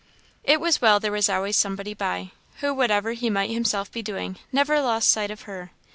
It was well there was always somebody by, who whatever he might himself be doing, never lost sight of her.